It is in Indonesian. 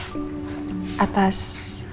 atas sikap keluarga saya yang mungkin membunuh saya